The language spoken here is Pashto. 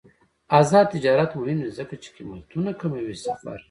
آزاد تجارت مهم دی ځکه چې قیمتونه کموي سفر.